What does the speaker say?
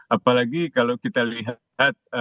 apalagi kalau kita lihat